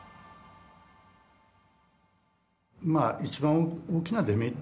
まあ一番大きなデメリットはですね